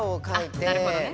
あっなるほどね。